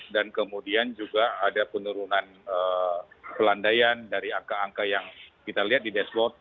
dan kemudian juga ada penurunan pelandaian dari angka angka yang kita lihat di dashboard